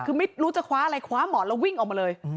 คือไม่รู้จะคว้าอะไรคว้าหมอนแล้ววิ่งออกมาเลย